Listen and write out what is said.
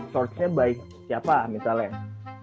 sourcenya by siapa misalnya